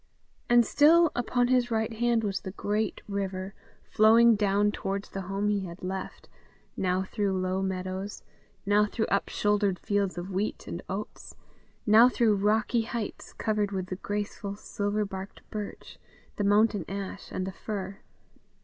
And still upon his right hand was the great river, flowing down towards the home he had left; now through low meadows, now through upshouldered fields of wheat and oats, now through rocky heights covered with the graceful silver barked birch, the mountain ash, and the fir.